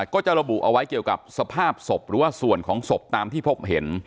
ก็จะระบุเอาไว้เกี่ยวกับสภาพศพหรือว่าส่วนของศพตามที่พบเห็น